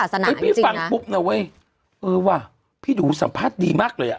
ไม่ใช่แค่พี่ฟังปุ๊บน่ะเว้ยเออว่าพี่ดูสัมภาษณ์ดีมากเลยอะ